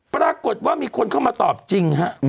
ปรากฏว่ามีคนเข้ามาตอบจริงฮะ